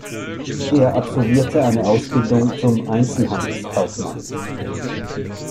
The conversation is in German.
Er absolvierte eine Ausbildung zum Einzelhandelskaufmann.